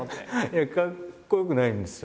いやかっこよくないんですよ。